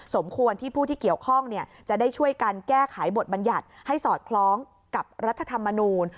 สมควรที่ผู้ที่เกี่ยวข้องจะได้ช่วยกันแก้ไขบทบัญญัติให้สอดคล้องกับรัฐธรรมนูล